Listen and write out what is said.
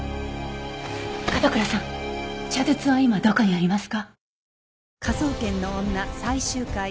角倉さん茶筒は今どこにありますか？